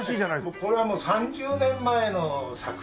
これはもう３０年前の作品。